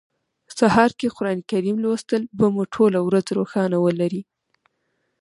سهار کی قران کریم لوستل به مو ټوله ورځ روښانه ولري